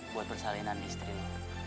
buat persalinan istri lu